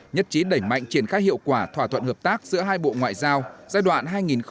nhất trí đẩy mạnh triển khai hiệu quả thỏa thuận hợp tác giữa hai bộ ngoại giao giai đoạn hai nghìn một mươi năm hai nghìn hai mươi năm